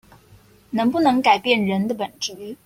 能不能改變人的本質